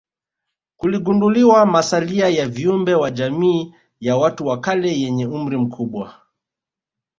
Kuligunduliwa masalia ya viumbe wa jamii ya watu wa kale yenye umri mkubwa